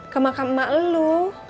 ke makan emak lu